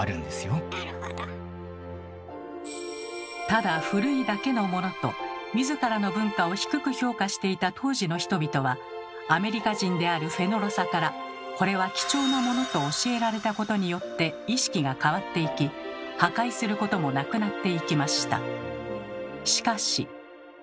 「ただ古いだけのもの」と自らの文化を低く評価していた当時の人々はアメリカ人であるフェノロサから「これは貴重なもの」と教えられたことによって意識が変わっていき破壊することもなくなっていきました。